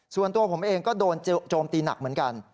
ส่วนตัวผมเองก็โดนโจมตีหนักเหมือนกัน